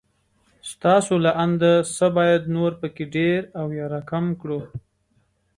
ستاسې له انده څه بايد نور په کې ډېر او يا را کم کړو